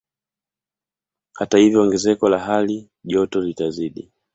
Hata hivyo ongezeko la hali joto litazidi